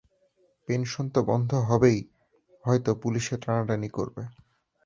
Pension তো বন্ধ হবেই, হয়তো পুলিসে টানাটানি করবে।